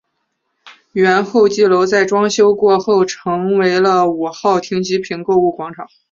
原候机楼在装修过后成为了五号停机坪购物广场。